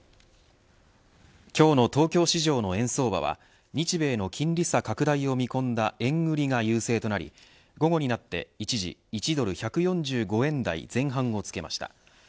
今日の東京市場の円相場は日米の金利差拡大を見込んだ円売りが優勢となり午後になって一時１ドル１４５円台前半をつけました。